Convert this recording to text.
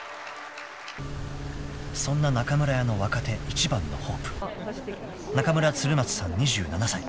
［そんな中村屋の若手一番のホープ中村鶴松さん２７歳］